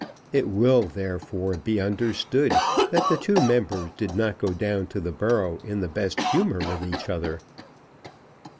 It will, therefore, be understood that the two members did not go down to the borough in the best humour with each other.